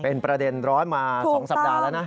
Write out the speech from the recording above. เป็นประเด็นร้อนมา๒สัปดาห์แล้วนะ